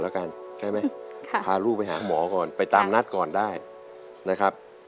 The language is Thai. แล้วกันใช่ไหมพาลูกไปหาหมอก่อนไปตามนัดก่อนได้นะครับ